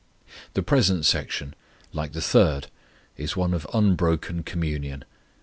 The present section, like the third, is one of unbroken communion.